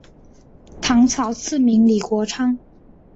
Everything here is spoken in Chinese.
唐朝赐名李国昌。